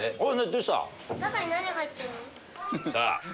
どうした？